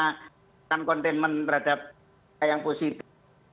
makan kontainment terhadap yang positif